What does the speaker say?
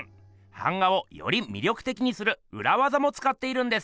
版画をより魅力的にするうらわざもつかっているんです！